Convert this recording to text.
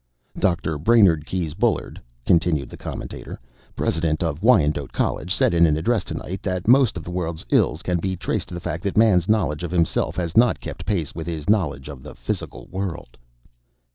"Dr. Brainard Keyes Bullard," continued the commentator, "President of Wyandotte College, said in an address tonight that most of the world's ills can be traced to the fact that Man's knowledge of himself has not kept pace with his knowledge of the physical world."